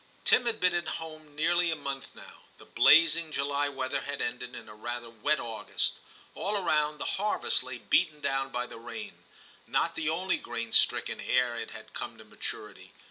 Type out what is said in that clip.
Tim had been at home nearly a month now ; the blazing July weather had ended in a rather wet August. All around, the harvest lay beaten down by the rain ; not the only grain stricken ere it had come to maturity.